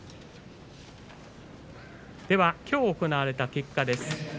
きょう行われた結果です。